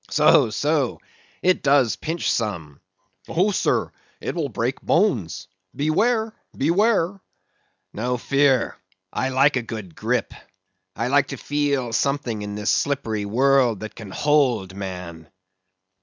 So, so; it does pinch some. Oh, sir, it will break bones—beware, beware! No fear; I like a good grip; I like to feel something in this slippery world that can hold, man.